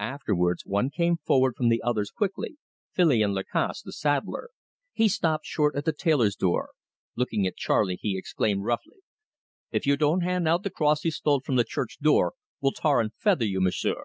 Afterwards one came forward from the others quickly Filion Lacasse the saddler. He stopped short at the tailor's door. Looking at Charley, he exclaimed roughly: "If you don't hand out the cross you stole from the church door, we'll tar and feather you, M'sieu'."